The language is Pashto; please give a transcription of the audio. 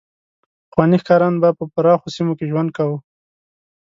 پخواني ښکاریان به په پراخو سیمو کې ژوند کاوه.